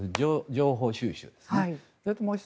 情報収集ですね。